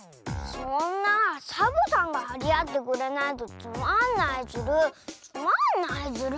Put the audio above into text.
そんなサボさんがはりあってくれないとつまんないズルつまんないズル。